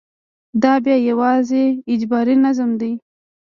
دا بیا یوازې اجباري نظم دی.